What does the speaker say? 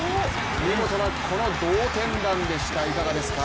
見事なこの同点弾でした、いかがですか？